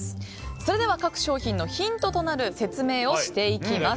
それでは各商品のヒントとなる説明をしていきます。